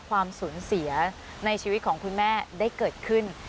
ความสูญเสียในชีวิตของคุณแม่ได้เกิดขึ้น